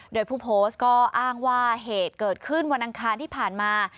โดยผู้โพสต์ก็อ้างว่าเหตุเกิดขึ้นวันอังคารที่ผ่านมา